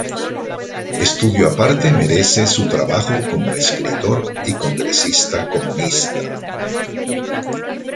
Estudio aparte merece su trabajo como escritor y congresista comunista.